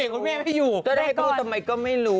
ก็ให้พูดก็ไม่รู้